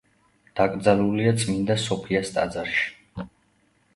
დაკრძალულია წმინდა სოფიას ტაძარში,